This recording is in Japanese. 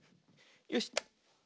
よし。